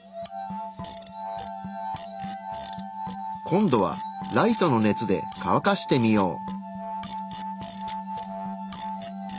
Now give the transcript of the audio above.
今度はライトの熱でかわかしてみよう。